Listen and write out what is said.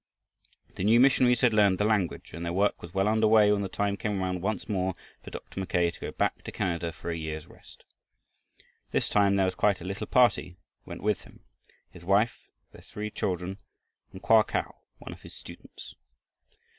The new missionaries had learned the language and their work was well under way when the time came round once more for Dr. Mackay to go back to Canada for a year's rest. This time there was quite a little party went with him: his wife, their three children, and Koa Kau, one of his students.